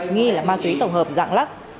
nghi là ma túy tổng hợp dạng lắc